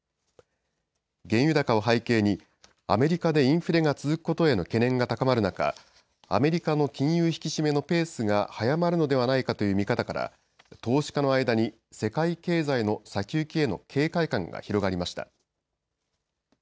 原油高を背景にアメリカでインフレが続くことへの懸念が高まる中、アメリカの金融引き締めのペースが速まるのではないかという見方から投資家の間に世界経済の先行きへの警戒感が広がりました。